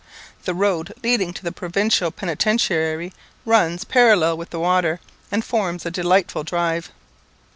The road leading to the Provincial Penitentiary runs parallel with the water, and forms a delightful drive.